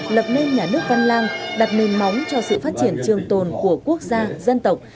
lập nên nhà nước văn lang đặt nền móng cho sự phát triển trường tồn của quốc gia dân tộc